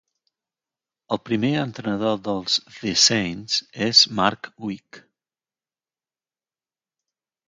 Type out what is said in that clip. El primer entrenador dels The Saints és Mark Wick.